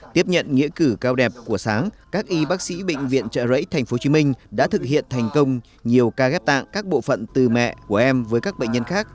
tiếp nhận nghĩa cử cao đẹp của sáng các y bác sĩ bệnh viện trợ rẫy tp hcm đã thực hiện thành công nhiều ca ghép tạng các bộ phận từ mẹ của em với các bệnh nhân khác